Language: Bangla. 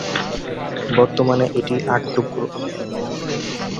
বর্তমানে এটি আট টুকরো।